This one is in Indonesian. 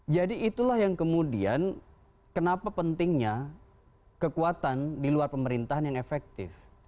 jadi itulah yang kemudian kenapa pentingnya kekuatan di luar pemerintahan yang efektif